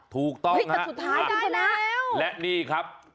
ถูกต้องแต่สุดท้ายได้แล้วและนี่ครับ